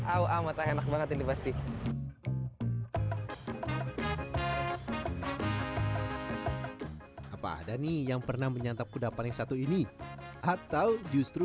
oh amat enak banget ini pasti apa ada nih yang pernah menyantap kudapan yang satu ini atau justru